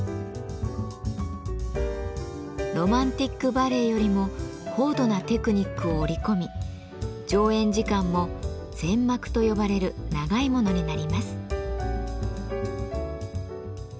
ロマンティック・バレエよりも高度なテクニックを織り込み上演時間も全幕と呼ばれる長いものになります。